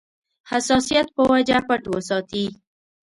حساسیت په وجه پټ وساتي.